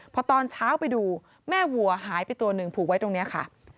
พอตอนเช้าไปดูแม่วัวหายไปตัวหนึ่งผูกไว้ตรงนี้ค่ะ